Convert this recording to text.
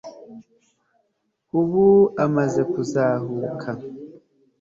Ubu amaze kuzahuka